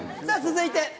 さぁ続いて。